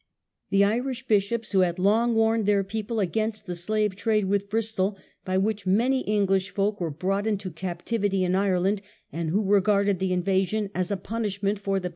The Irish bishops, who had long warned their people against the slave trade with Bristol, by which many English folk were brought into captivity in Ireland, and The English who regarded the invasion as a punishment •ettiement.